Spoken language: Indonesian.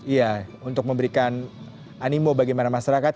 iya untuk memberikan animo bagaimana masyarakat